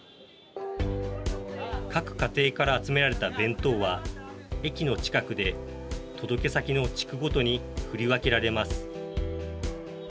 各家庭から集められた弁当は駅の近くで届け先の地区ごとに振り分けられます。